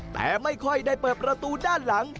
แต่ไม่ค่อยได้เปิดประตูด้านหลัง